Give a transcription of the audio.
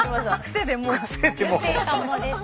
癖でもう。